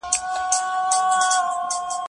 هغوی ګام په ګام وړاندې لاړل.